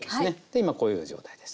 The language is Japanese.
今こういう状態です。